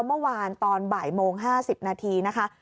เมื่อวานตอนบ่ายโมง๕๐นาทีนะคะ